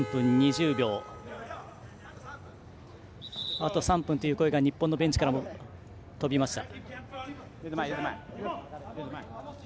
あと３分という声が日本のベンチから飛びました。